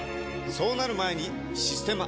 そうなる前に「システマ」！